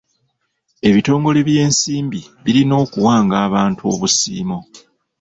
Ebitongole by'ensimbi birina okuwanga abantu obusiimo.